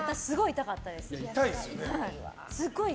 痛いですよね。